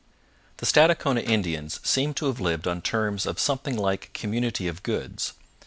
The Stadacona Indians seem to have lived on terms of something like community of goods.